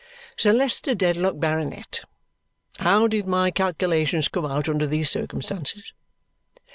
"Sir Leicester Dedlock, Baronet, how did my calculations come out under these circumstances?